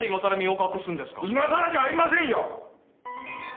今さらじゃありませんよ！